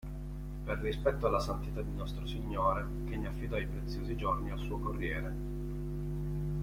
Per rispetto alla Santità di Nostro Signore, che ne affidò i preziosi giorni al suo Corriere.